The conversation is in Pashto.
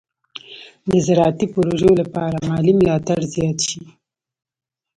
د زراعتي پروژو لپاره مالي ملاتړ زیات شي.